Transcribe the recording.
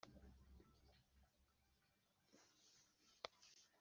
bahiriye amatungo urwiri, bakura urwondo mu mbuga